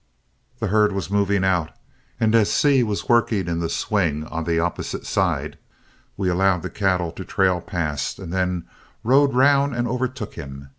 The herd was moving out, and as Seay was working in the swing on the opposite side, we allowed the cattle to trail past, and then rode round and overtook him.